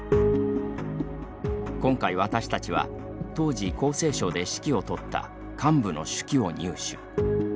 今回、私たちは当時、厚生省で指揮をとった幹部の手記を入手。